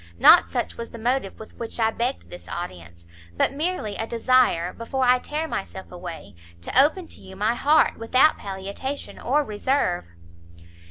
Not such was the motive with which I begged this audience; but merely a desire, before I tear myself away, to open to you my heart, without palliation or reserve."